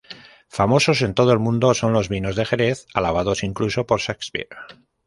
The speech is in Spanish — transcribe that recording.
Famosos en todo el mundo son los vinos de Jerez, alabados incluso por Shakespeare.